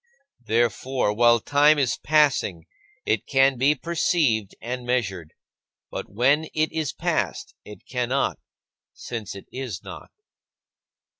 Therefore, while time is passing, it can be perceived and measured; but when it is past, it cannot, since it is not.